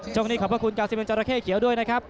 ช่วงนี้ขอบพระคุณ๙๑จอระเข้เกียวด้วยนะครับ